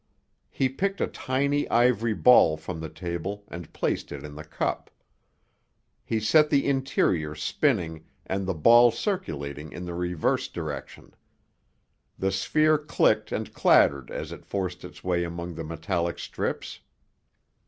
He picked a tiny ivory ball from the table and placed it in the cup. He set the interior spinning and the ball circulating in the reverse direction. The sphere clicked and clattered as it forced its way among the metallic strips.